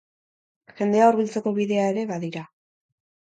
Jendea hurbiltzeko bidea ere badira.